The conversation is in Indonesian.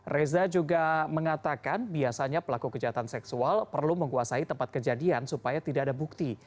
reza juga mengatakan biasanya pelaku kejahatan seksual perlu menguasai tempat kejadian supaya tidak ada bukti